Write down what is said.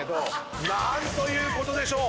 何ということでしょう！